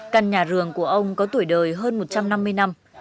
căn nhà rường của ông có tuổi đời hơn một trăm năm mươi năm